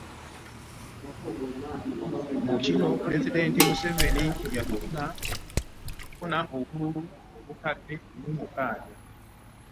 Ku bino Pulezidenti Museveni yafuna obululu obukadde mu mukaaga